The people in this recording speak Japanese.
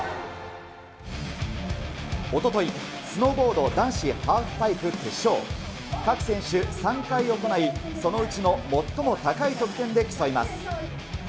おととい、スノーボード男子ハーフパイプ決勝、各選手、３回行い、そのうちの最も高い得点で競います。